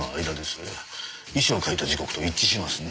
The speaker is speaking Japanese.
遺書を書いた時刻と一致しますねえ。